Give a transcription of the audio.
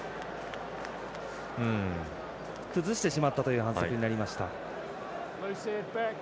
崩してしまったという反則になりました。